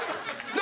何？